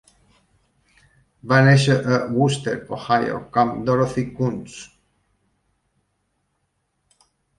Va néixer a Wooster, Ohio, com Dorothy Kuhns.